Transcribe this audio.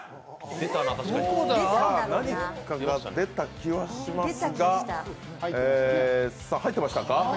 何かが出た気はしますが入ってましたか？